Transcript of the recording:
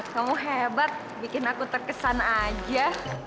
kamu hebat bikin aku terkesan aja